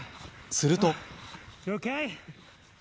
すると。